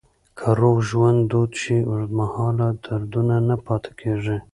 که روغ ژوند دود شي، اوږدمهاله دردونه نه پاتې کېږي.